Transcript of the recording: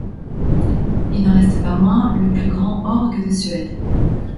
Il n'en reste pas moins le plus grand orgue de Suède.